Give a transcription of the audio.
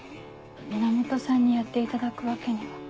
源さんにやっていただくわけには。